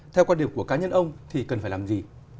theo quan điểm của cá nhân ông thì cần phải làm gì